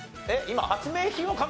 今。